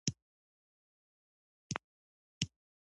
یوریا په خاوره کې په آساني سره په امونیا بدلیږي.